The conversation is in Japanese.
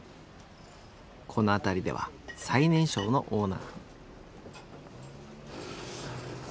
この辺りでは最年少のオーナー。